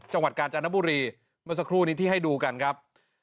จังหวัดกาญจนบุรีเมื่อสักครู่นี้ที่ให้ดูกันครับ